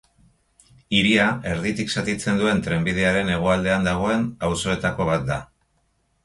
Hiria erditik zatitzen duen trenbidearen hegoaldean dagoen auzoetako bat da.